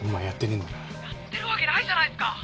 やってるわけないじゃないすか！